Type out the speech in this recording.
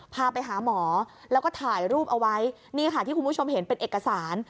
พาไปหาหมอแล้วก็ถ่ายรูปเอาไว้นี่ค่ะที่คุณผู้ชมเห็นเป็นเอกสาร